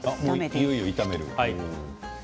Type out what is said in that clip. いよいよ炒める。